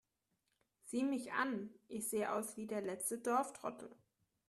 Sieh mich an, ich sehe aus wie der letzte Dorftrottel